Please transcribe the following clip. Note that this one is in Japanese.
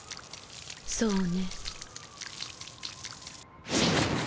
そうね。